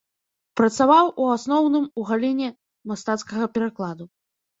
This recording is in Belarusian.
Працаваў у асноўным у галіне мастацкага перакладу.